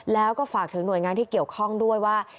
แล้วก็ฝากถึงหน่วยงานที่เกี่ยวข้องด้วยว่า